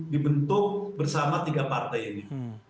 dibentuk bersama tiga partai ini